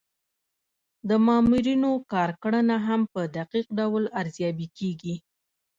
د مامورینو کارکړنه هم په دقیق ډول ارزیابي کیږي.